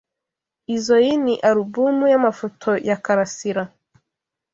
Izoi ni alubumu y'amafoto ya Karasira.